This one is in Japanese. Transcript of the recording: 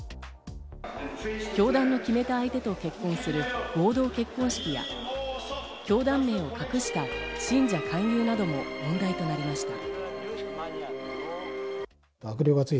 教団の決めた相手と結婚する合同結婚式や、教団名を隠した信者勧誘なども問題となりました。